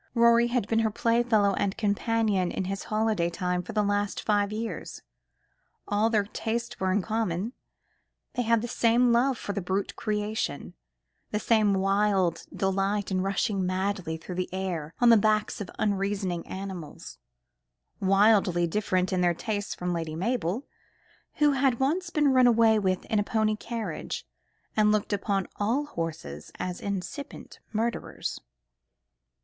Rorie had been her playfellow and companion in his holiday time for the last five years. All their tastes were in common. They had the same love for the brute creation, the same wild delight in rushing madly through the air on the backs of unreasoning animals; widely different in their tastes from Lady Mabel, who had once been run away with in a pony carriage, and looked upon all horses as incipient murderers.